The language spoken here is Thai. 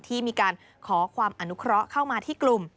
ที่มีการขอความอนุเคราะห์เข้ามาที่กลุ่ม